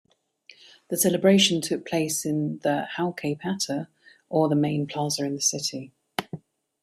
The celebration took place in the Haukaypata or the main plaza in the city.